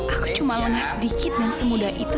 aku cuma lengah sedikit dan semudah itu